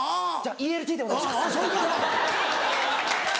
ＥＬＴでお願いします。